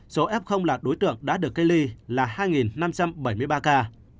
số f là đối tượng đã được cách ly là hai năm trăm bảy mươi ba ca